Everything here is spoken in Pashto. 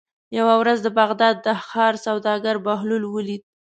یوه ورځ د بغداد د ښار سوداګر بهلول ولید.